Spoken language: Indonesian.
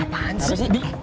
apaan sih d